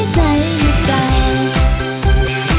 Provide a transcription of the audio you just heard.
พี่ตำน้ำค่ะพี่